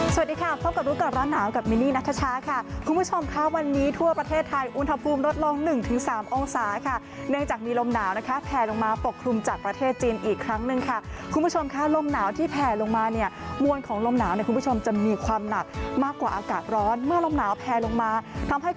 สวัสดีค่ะพบกับรู้ก่อนร้อนหนาวกับมินนี่นัทชาค่ะคุณผู้ชมค่ะวันนี้ทั่วประเทศไทยอุณหภูมิลดลง๑๓องศาค่ะเนื่องจากมีลมหนาวนะคะแผ่ลงมาปกคลุมจากประเทศจีนอีกครั้งหนึ่งค่ะคุณผู้ชมค่ะลมหนาวที่แผ่ลงมาเนี่ยมวลของลมหนาวเนี่ยคุณผู้ชมจะมีความหนักมากกว่าอากาศร้อนเมื่อลมหนาวแพลลงมาทำให้